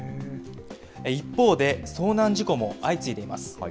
一方で、遭難事故も相次いでいます。